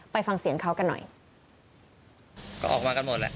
ไปฟังเสียงเขากันหน่อยก็ออกมากันหมดแหละ